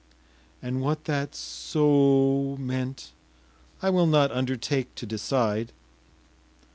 And what that “So o” meant I will not undertake to decide.